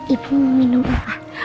ibu mau minum apa